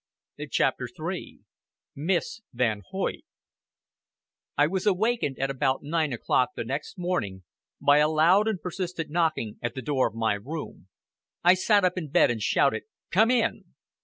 CHAPTER III MISS VAN HOYT I was awakened at about nine o'clock the next morning by a loud and persistent knocking at the door of my room. I sat up in bed and shouted, "Come in!"